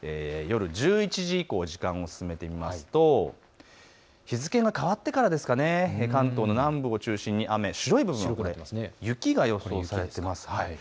夜１１時以降、時間を進めてみますと、日付が変わってから関東の南部を中心に雨、白い部分、雪が予想されています。